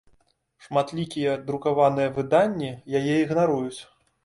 Шматлікія друкаваныя выданні яе ігнаруюць.